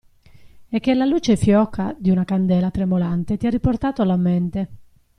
E che la luce fioca di una candela tremolante ti ha riportato alla mente.